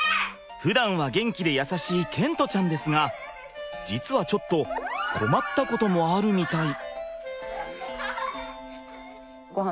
ふだんは元気で優しい賢澄ちゃんですが実はちょっと困ったこともあるみたい。